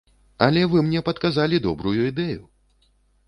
Але вы мне падказалі добрую ідэю!